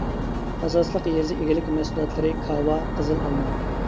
ئاساسلىق يېزا ئىگىلىك مەھسۇلاتلىرى كاۋا، قىزىل ئالما.